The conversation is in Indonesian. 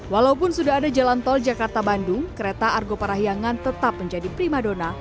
walaupun sudah ada jalan tol jakarta bandung kereta argo parahyangan tetap menjadi prima dona